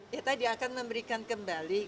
kita akan memberikan kembali